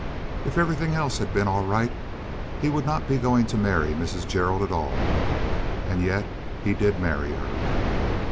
If everything else had been all right he would not be going to marry Mrs. Gerald at all. And yet he did marry her.